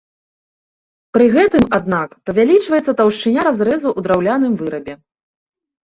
Пры гэтым, аднак, павялічваецца таўшчыня разрэзу ў драўляным вырабе.